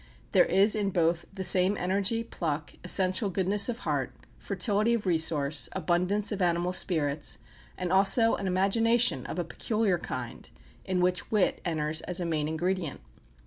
There is in both the same energy, pluck, essential goodness of heart, fertility of resource, abundance of animal spirits, and also an imagination of a peculiar kind, in which wit enters as a main ingredient.